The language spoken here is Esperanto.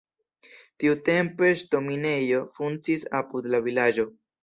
Tiutempe ŝtonminejo funkciis apud la vilaĝo.